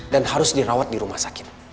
dan harus dirawat di rumah sakit